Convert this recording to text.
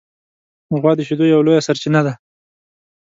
غوا د شیدو یوه لویه سرچینه ده.